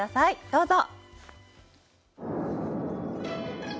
どうぞ！